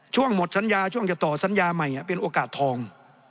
หมดสัญญาช่วงจะต่อสัญญาใหม่เป็นโอกาสทอง